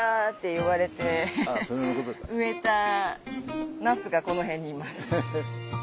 言われて植えたナスがこの辺にいます。